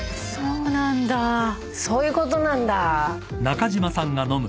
そういうことなんだ。